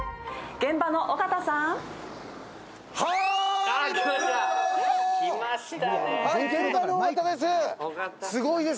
現場の尾形です！